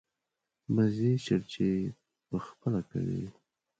مزې چړچې په خپله کوي.